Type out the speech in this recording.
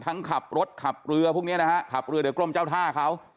ขับรถขับเรือพวกนี้นะฮะขับเรือเดี๋ยวกรมเจ้าท่าเขา